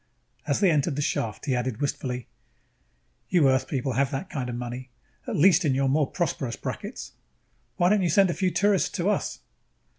As they entered the shaft, he added wistfully: "You Earth people have that kind of money, at least in your more prosperous brackets. Why don't you send a few tourists to us?"